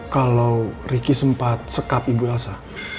kalau ricky sempat sekap ibu elsa